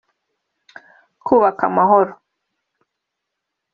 Kubaka amahoro